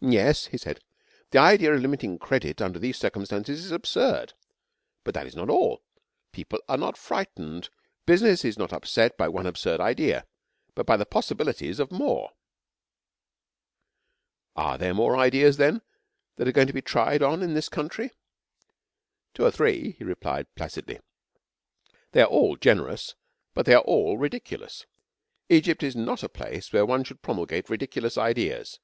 'Yes,' he said. 'The idea of limiting credit under these circumstances is absurd. But that is not all. People are not frightened, business is not upset by one absurd idea, but by the possibilities of more,' 'Are there any more ideas, then, that are going to be tried on this country?' 'Two or three,' he replied placidly. 'They are all generous; but they are all ridiculous. Egypt is not a place where one should promulgate ridiculous ideas.'